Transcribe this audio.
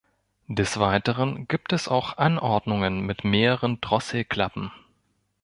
Des Weiteren gibt es auch Anordnungen mit mehreren Drosselklappen.